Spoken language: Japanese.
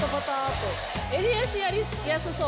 襟足、やりやすそう。